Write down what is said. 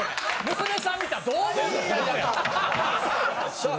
娘さん見たらどう思う？